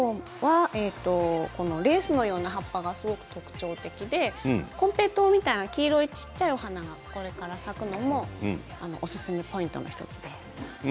レースのような葉っぱが特徴的でこんぺいとうのような黄色い小さいお花がこれから咲くのもおすすめポイントの１つです。